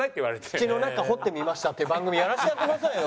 「土の中掘ってみました」っていう番組やらせてやってくださいよ。